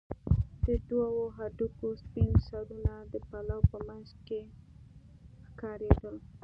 د دوو هډوکو سپين سرونه د پلو په منځ کښې ښکارېدل.